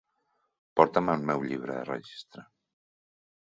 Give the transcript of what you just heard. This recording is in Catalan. Porta'm el meu llibre de registre.